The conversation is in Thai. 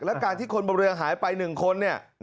และการที่คนบนเรือหายไป๑คน